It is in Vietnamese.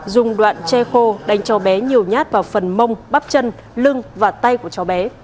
dùng đoạn tre khô đánh cho bé nhiều nhát vào phần mông bắp chân lưng và tay của cho bé